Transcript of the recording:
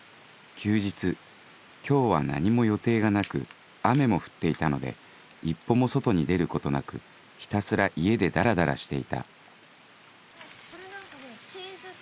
休日今日は何も予定がなく雨も降っていたので一歩も外に出ることなくひたすら家でダラダラしていたこれなんかほらチーズチョコケーキ。